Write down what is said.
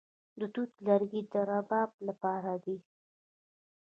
د توت لرګي د رباب لپاره دي.